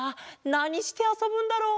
なにしてあそぶんだろう？